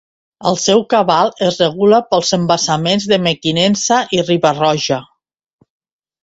El seu cabal es regula pels embassaments de Mequinensa i Riba-roja.